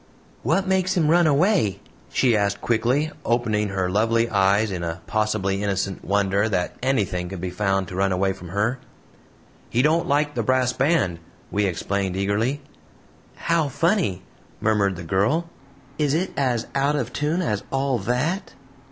"What makes him run away?" she asked quickly, opening her lovely eyes in a possibly innocent wonder that anything could be found to run away from her. "He don't like the brass band," we explained eagerly. "How funny," murmured the girl; "is it as out of tune as all that?"